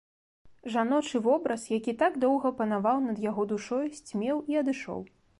Жаночы вобраз, які так доўга панаваў над яго душой, сцьмеў і адышоў.